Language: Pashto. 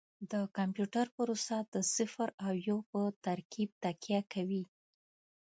د کمپیوټر پروسه د صفر او یو په ترکیب تکیه کوي.